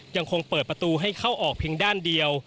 ยังคงเปิดประตูให้เข้าออกเพียงด้านเดียว